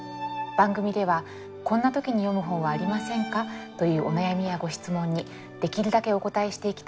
番組では「こんな時に読む本はありませんか？」というお悩みやご質問にできるだけお応えしていきたいと思います。